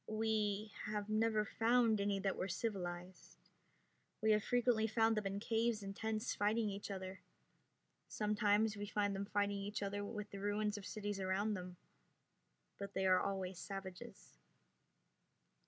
"We have never found any that were civilized. We have frequently found them in caves and tents fighting each other. Sometimes we find them fighting each other with the ruins of cities around them, but they are always savages."